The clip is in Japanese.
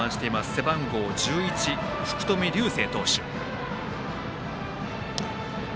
背番号１１、福冨竜世投手。